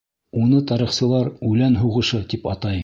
Уны тарихсылар «Үлән һуғышы» тип атай.